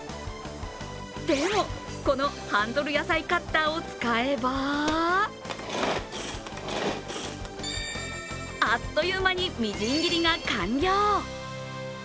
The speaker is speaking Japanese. でも、このハンドル野菜カッターを使えばあっという間に、みじん切りが完了。